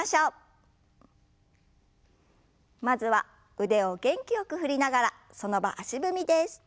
まずは腕を元気よく振りながらその場足踏みです。